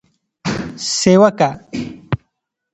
سیوکه: